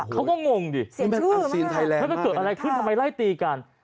เขาก็งงดิเสียชื่อไหมก็เกิดอะไรขึ้นทำไมไล่ตีกัน